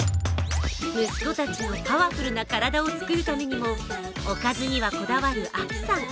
息子たちのパワフルな体をつくるためにもおかずにはこだわる亜希さん。